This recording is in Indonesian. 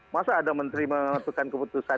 masa ada menteri menentukan keputusan